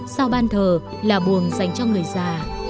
sau ban thờ là buồng dành cho người già